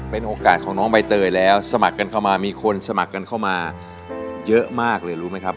เป็นโอกาสของน้องใบเตยแล้วสมัครกันเข้ามามีคนสมัครกันเข้ามาเยอะมากเลยรู้ไหมครับ